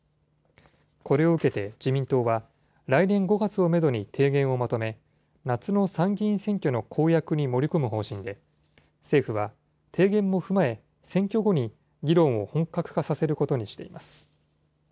これを受けて自民党は、来年５月をメドに提言をまとめ、夏の参議院選挙の公約に盛り込む方針で、政府は、提言も踏まえ、選挙後に議論を本格化させることにしています。